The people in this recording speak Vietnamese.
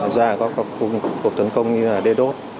ra có cuộc tấn công như là d dot